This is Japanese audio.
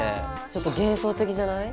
ちょっと幻想的じゃない？